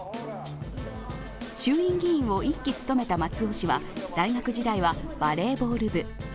衆院議員を１期務めた松尾氏は大学時代はバレーボール部。